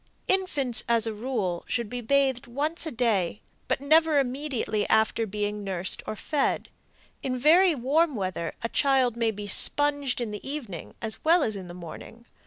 Infants, as a rule, should be bathed once a day, but never immediately after being nursed or fed. In very warm weather a child may be sponged in the evening as well as in the morning.